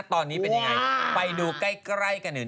พี่ปุ้ยลูกโตแล้ว